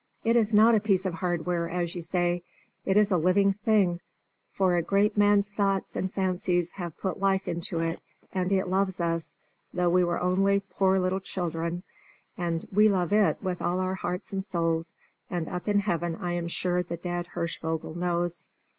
It is not a piece of hardware, as you say; it is a living thing, for a great man's thoughts and fancies have put life into it, and it loves us, though we are only poor little children, and we love it with all our hearts and souls, and up in heaven I am sure the dead Hirschvogel knows!